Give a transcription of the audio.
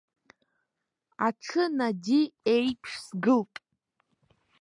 Аҽы нади еиԥш сгылт.